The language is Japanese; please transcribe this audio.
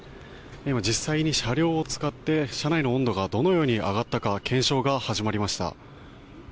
今、実際に車両を使って車内の温度がどのように上がったか検証が始まりました。